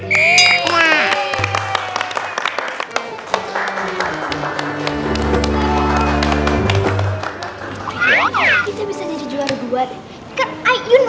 kita bisa jadi juara dua